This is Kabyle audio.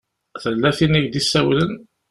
Tella tin i ak-d-isawlen?